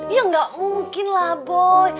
ya nggak mungkin lah boy